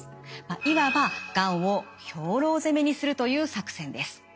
いわばがんを兵糧攻めにするという作戦です。